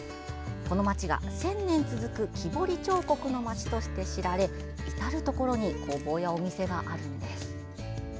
この町が、１０００年続く木彫り彫刻の町として知られ至る所に工房やお店があるんです。